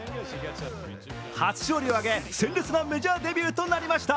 初勝利を挙げ、鮮烈なメジャーデビューとなりました。